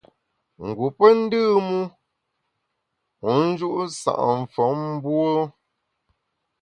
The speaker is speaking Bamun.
Ngu pe ndùm u, wu nju’ sa’ mfom mbuo.